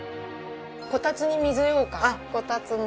こたつに水ようかん。